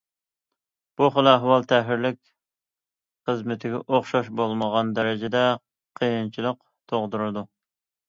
بۇ خىل ئەھۋال تەھرىرلىك خىزمىتىگە ئوخشاش بولمىغان دەرىجىدە قىيىنچىلىق تۇغدۇرىدۇ.